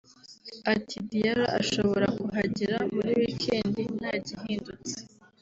Ati “[Diarra] Ashobora kuhagera muri weekend ntagihindutse”